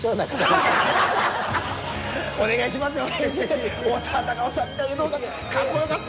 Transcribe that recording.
お願いしますよ先生！